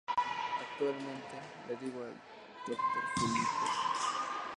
Actualmente lo dirige D. Felipe Martínez Quiroga.